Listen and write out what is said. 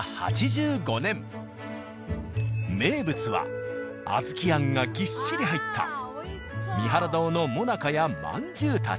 名物は小豆あんがぎっしり入った「三原堂」の最中やまんじゅうたち。